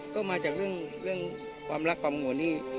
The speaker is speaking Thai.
ก็มาจากเรื่องความรักความห่วงนี่